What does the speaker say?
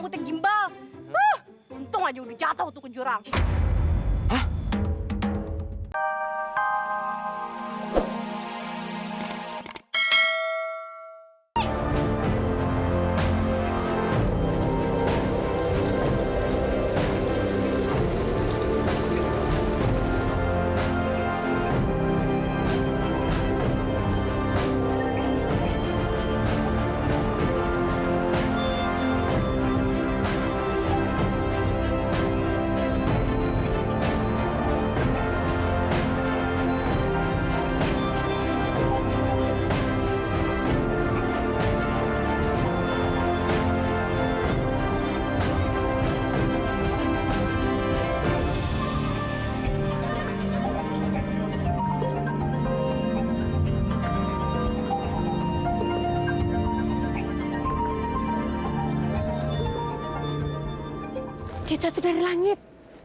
kejahatan dari langit